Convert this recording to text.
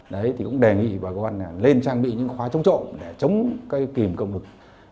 đề nghị bà con lên trang bị những khóa chống trộm để chống kìm cộng lực